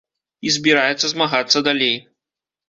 І збіраецца змагацца далей.